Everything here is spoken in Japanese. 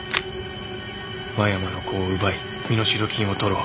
間山の子を奪い身代金を取ろう。